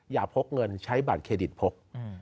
พกเงินใช้บัตรเครดิตพก